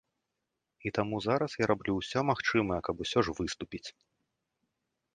І таму зараз я раблю ўсё магчымае, каб усё ж выступіць.